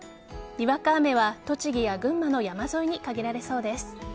にわか雨は栃木や群馬の山沿いに限られそうです。